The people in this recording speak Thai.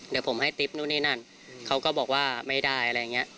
เดี๋ยวผมให้ติ๊บนู่นนี่นั่นเขาก็บอกว่าไม่ได้อะไรอย่างเงี้ย